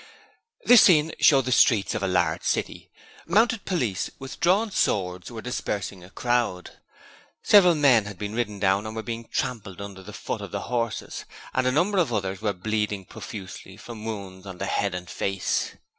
This scene showed the streets of a large city; mounted police with drawn swords were dispersing a crowd: several men had been ridden down and were being trampled under the hoofs of the horses, and a number of others were bleeding profusely from wounds on the head and face.